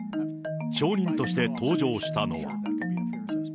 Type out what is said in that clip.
証人として登場したのは。